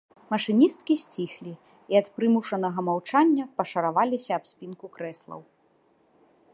Машыністкі сціхлі і ад прымушанага маўчання пашараваліся аб спінку крэслаў.